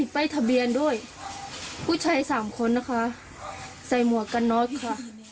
ผู้ชาย๓คนนะคะใส่หมวกกันนอดค่ะ